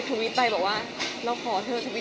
กรุงคลินมาสมบูรณ์เลยออกไป